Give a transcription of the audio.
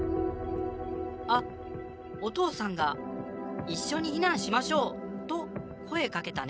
あっお父さんが『一緒に避難しましょう』と声かけたね。